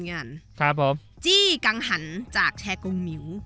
งานครับผมจี้กังหันจากแชร์กงหมิว